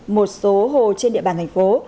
một số hồ trên địa bàn thành phố